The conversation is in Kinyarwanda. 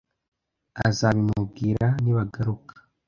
Azabimubwira nibagaruka.